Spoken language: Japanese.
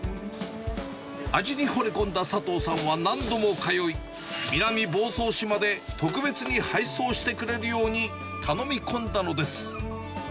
味にほれ込んだ佐藤さんは何度も通い、南房総市まで特別に配送してくれるように頼み込んだのです。